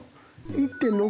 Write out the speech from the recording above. １．６